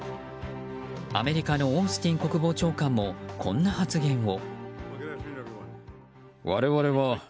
アメリカのオースティン国防長官もこんな発言を。